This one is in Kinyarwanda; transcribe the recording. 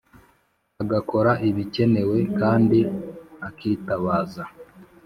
agakora ibikenewe kandi akitabaza